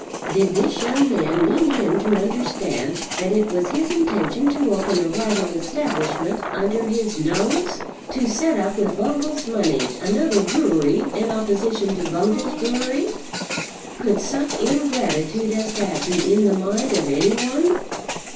Did this young man mean him to understand that it was his intention to open a rival establishment under his nose; to set up with Bungall's money another brewery in opposition to Bungall's brewery? Could such ingratitude as that be in the mind of any one?